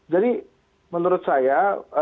jadi menurut saya